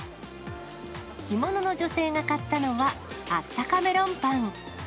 着物の女性が買ったのは、あったかメロンパン。